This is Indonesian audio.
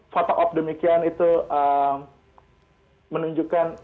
foto op demikian itu menunjukkan